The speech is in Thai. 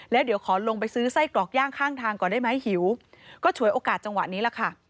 แล้วเดี๋ยวขอลงไปซื้อไส้กรอกย่างข้างทางก่อนได้ไหมหิวก็ฉวยโอกาสจังหวะนี้แหละค่ะ